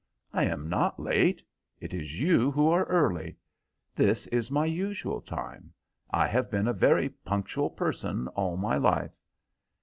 "I am not late; it is you who are early. This is my usual time. I have been a very punctual person all my life."